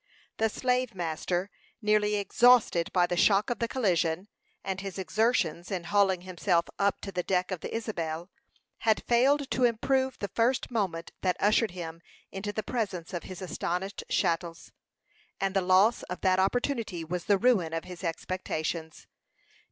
The slave master, nearly exhausted by the shock of the collision, and his exertions in hauling himself up to the deck of the Isabel, had failed to improve the first moment that ushered him into the presence of his astonished chattels; and the loss of that opportunity was the ruin of his expectations.